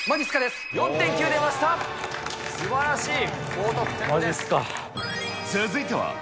すばらしい。